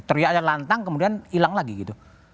teriaknya lantang kemudian hilang lagi gitu